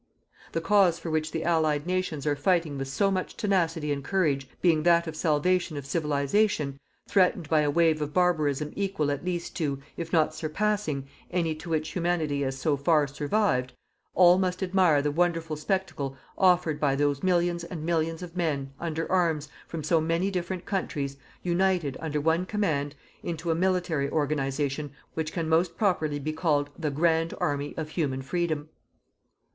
The cause for which the Allied nations are fighting with so much tenacity and courage being that of the salvation of Civilization, threatened by a wave of barbarism equal at least to, if not surpassing, any to which Humanity has so far survived, all must admire the wonderful spectacle offered by those millions and millions of men, under arms, from so many different countries, united, under one command, into a military organization which can most properly be called the GRAND ARMY OF HUMAN FREEDOM.